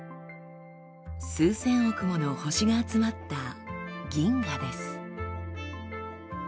数千億もの星が集まった銀河です。